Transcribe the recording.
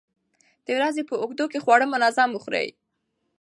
د ورځې په اوږدو کې خواړه منظم وخورئ.